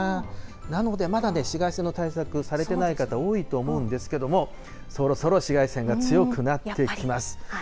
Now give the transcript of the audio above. なので、まだね、紫外線の対策、されてない方、多いと思うんですけれども、そろそろ紫外線が強くなってきます。